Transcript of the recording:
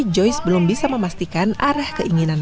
joyce belum bisa memastikan arah keinginan